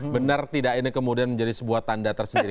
benar tidak ini kemudian menjadi sebuah tanda tersendiri